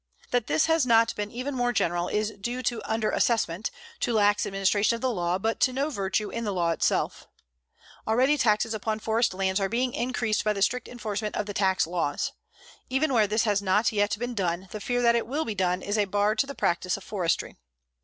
That this has not been even more general is due to under assessment, to lax administration of the law, but to no virtue in the law itself. Already taxes upon forest lands are being increased by the strict enforcement of the tax laws. Even where this has not yet been done, the fear that it will be done is a bar to the practice of forestry.